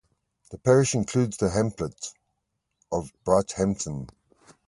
The parish includes the hamlet of Brighthampton.